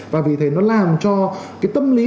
và vì thế nó làm cho cái tâm lý